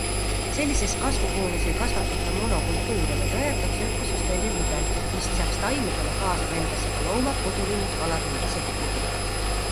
Sellises kasvuhoones ei kasvatata monokultuure, vaid rajatakse ökosüsteemi mudel, mis lisaks taimedele kaasab endasse ka loomad, kodulinnud, kalad ning isegi putukad.